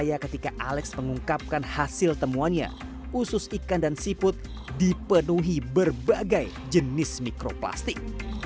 dan setelah alex mengungkapkan hasil temuannya usus ikan dan siput dipenuhi berbagai jenis mikroplastik